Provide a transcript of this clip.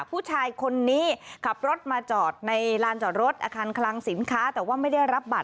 ผู้ชายคนนี้ขับรถมาจอดในลานจอดรถอาคารคลังสินค้าแต่ว่าไม่ได้รับบัตร